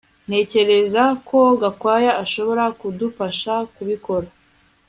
Ntekereza ko Gakwaya ashobora kudufasha kubikora